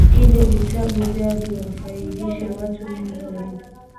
ili vitabu vyao viwafaidishe watu wengi zaidi